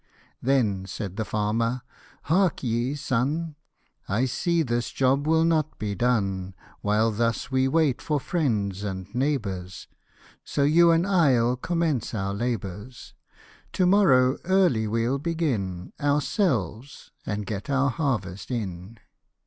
Then said the farmer, " Hark ye, son I see this job will not be done While thus we wait for friends and neighbours ; So you and I'll commence our labours : To morrow early we'll begin Ourselves, and get our harvest in."